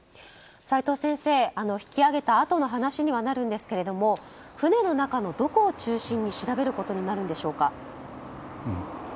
斎藤先生、引き揚げたあとの話にはなりますが船の中のどこを中心に調べることになるんでしょうか。